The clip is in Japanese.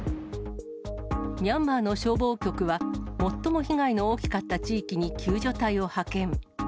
ミャンマーの消防局は、最も被害の大きかった地域に救助隊を派遣。